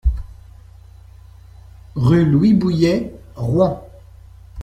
Rue Louis Bouilhet, Rouen